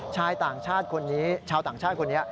ชายต่างชาติคนนี้ชาวต่างชาติคนนี้